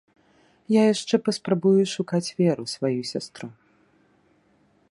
- Я яшчэ паспрабую шукаць Веру, сваю сястру.